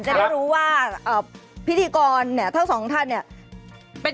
จะได้รู้ว่าพิธีกรเนี่ยทั้งสองท่านเนี่ย